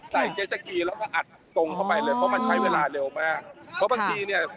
เจสสกีแล้วก็อัดตรงเข้าไปเลยเพราะมันใช้เวลาเร็วมากเพราะบางทีเนี่ย